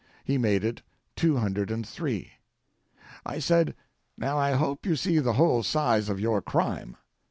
He made it two hundred and three. I said, "Now, I hope you see the whole size of your crime.